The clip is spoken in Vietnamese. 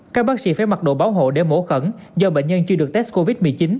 các bác sĩ phải mặc đồ bảo hộ để mổ khẩn do bệnh nhân chưa được test covid một mươi chín